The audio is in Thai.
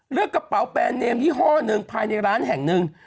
เลือกกระเป๋าแปรนเนมที่ห้อนึงภายในร้านแห่งนึง